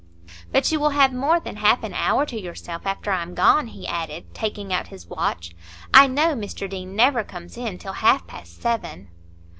"But you will have more than half an hour to yourself after I am gone," he added, taking out his watch. "I know Mr Deane never comes in till half past seven."